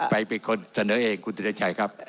เป็นคนเสนอเองคุณธิรชัยครับ